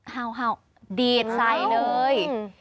เห่าดีดใส่เลย